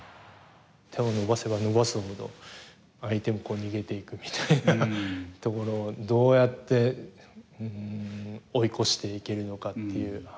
手を伸ばせば伸ばすほど、相手も逃げていくみたいなところをどうやって追い越していけるのかっていう。